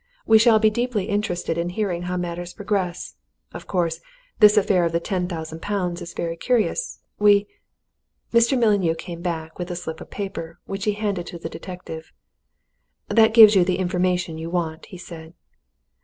We shall be deeply interested in hearing how matters progress. Of course, this affair of the ten thousand pounds is very curious. We " Mr. Mullineau came back with a slip of paper, which he handed to the detective. "That gives you the information you want," he said.